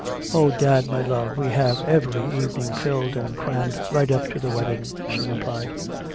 "Oh, dad, my love, we have every evening filled and crammed right up to the wedding," she replied.